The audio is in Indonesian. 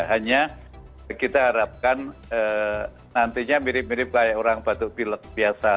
hanya kita harapkan nantinya mirip mirip kayak orang batuk pilek biasa